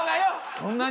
そんなに？